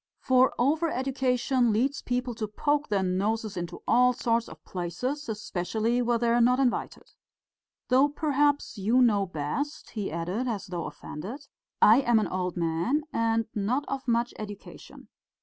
For over education leads people to poke their noses into all sorts of places, especially where they are not invited. Though perhaps you know best," he added, as though offended. "I am an old man and not of much education.